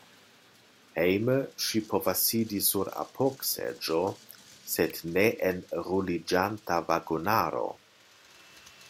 Hejme ŝi povas sidi sur apogseĝo, sed ne en ruliĝanta vagonaro.